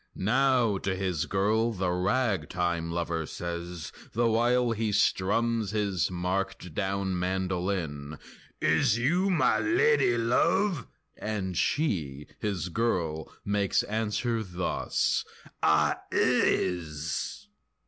Now to his girl the ragtime lover says, The while he strums his marked down mandolin "Is you ma lady love?" and she, his girl, Makes answer thus: "Ah is!"